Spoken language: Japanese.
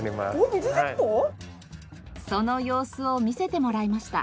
その様子を見せてもらいました。